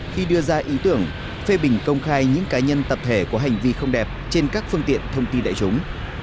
khi đưa ra ý tưởng phê bình công khai những cá nhân tập thể có hành vi không đẹp trên các phương tiện thông tin đại chúng